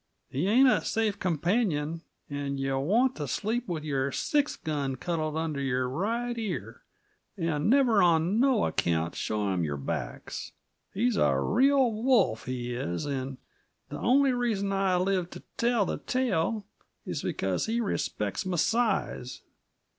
He ain't a safe companion, and yuh want t' sleep with your six guns cuddled under your right ear, and never, on no account, show him your backs. He's a real wolf, he is, and the only reason I live t' tell the tale is because he respects m' size.